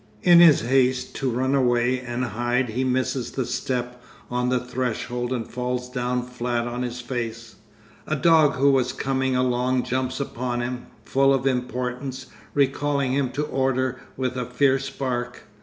In his haste to run away and hide he misses the step on the threshold and falls down flat on his face. A dog who was coming along jumps upon him, full of importance, recalling him to order with a fierce bark.